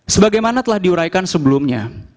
sebagaimana telah diuraikan sebelumnya